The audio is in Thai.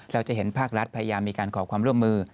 เราจะเห็นภาครัฐพยายามมีการขอความร่วมมือ